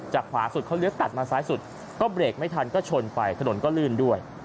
ขวาสุดเขาเลี้ยวตัดมาซ้ายสุดก็เบรกไม่ทันก็ชนไปถนนก็ลื่นด้วย